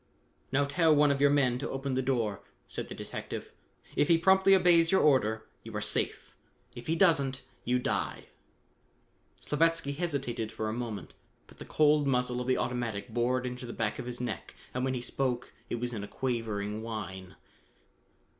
"Now tell one of your men to open the door," said the detective. "If he promptly obeys your order, you are safe. If he doesn't, you die." Slavatsky hesitated for a moment, but the cold muzzle of the automatic bored into the back of his neck and when he spoke it was in a quavering whine.